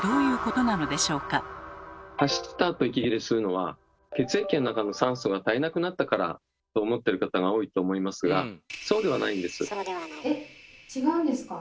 走ったあと息切れするのは血液の中の酸素が足りなくなったからと思っている方が多いと思いますがそうではないんです。